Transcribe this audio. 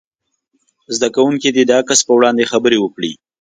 زده کوونکي دې د عکس په وړاندې خبرې وکړي.